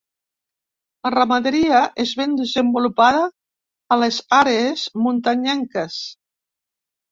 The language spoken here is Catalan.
La ramaderia és ben desenvolupada a les àrees muntanyenques.